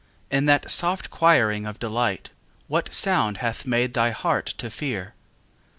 In that soft choiring of delight What sound hath made thy heart to fear?